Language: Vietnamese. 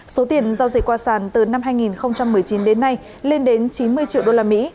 số tiền giao dịch qua sản từ năm hai nghìn một mươi chín đến nay lên đến chín mươi triệu đô la mỹ